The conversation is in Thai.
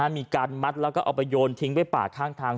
มีการมัดแล้วก็เอาไปโยนทิ้งไปปากทาง